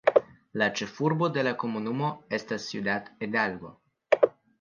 La ĉefurbo de la komunumo estas Ciudad Hidalgo.